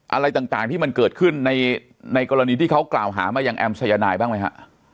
อะไรต่างที่มันเกิดขึ้นในกรณีที่เขากล่าวหามายังแอมสายนายบ้างไหมฮะ